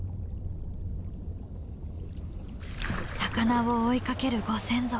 魚を追いかけるご先祖。